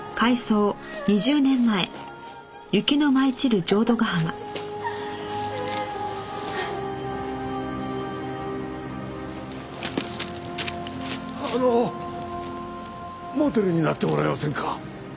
あのモデルになってもらえませんか？